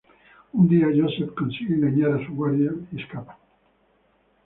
Un día Joseph consigue engañar a su guardián y escapa.